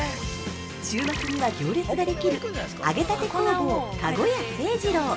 週末には行列ができる揚げたて工房籠屋清次郎。